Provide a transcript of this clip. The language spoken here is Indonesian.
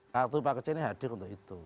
kartu prakerja ini hadir untuk itu